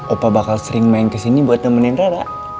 opa bakal sering main kesini buat nemenin rara